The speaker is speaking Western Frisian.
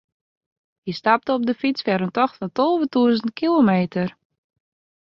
Hy stapte op de fyts foar in tocht fan tolve tûzen kilometer.